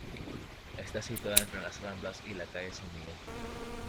Está situada entre las Ramblas y la Calle San Miguel.